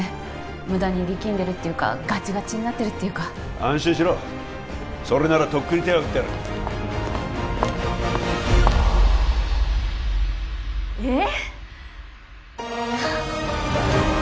無駄に力んでるっていうかガチガチになってるっていうか安心しろそれならとっくに手は打ってあるええっ！？